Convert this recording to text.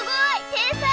天才！